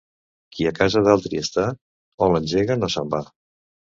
Qui a casa d'altri està, o l'engeguen o se'n va.